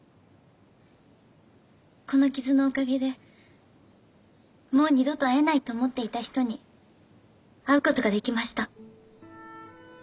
この傷のおかげでもう二度と会えないと思っていた人に会う事ができました。